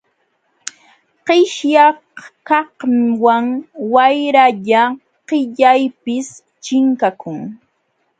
Qishyakaqwan wayralla qillaypis chinkakun.